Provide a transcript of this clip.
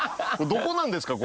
どこなんですか？